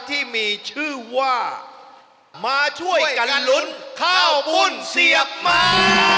ที่มีชื่อว่ามาช่วยกันลุ้นข้าวบุญเสียบมา